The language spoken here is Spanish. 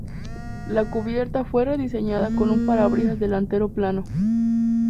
La cubierta fue rediseñada, con un parabrisas delantero plano.